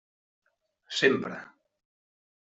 Sempre!